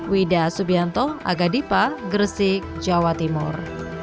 wida subianto agadipa gersik jawa timur